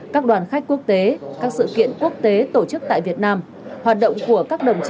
các đoàn khách quốc tế các sự kiện quốc tế tổ chức tại việt nam